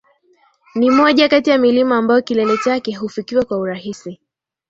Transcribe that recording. ni moja kati ya milima ambayo kilele chake hufikiwa kwa urahisi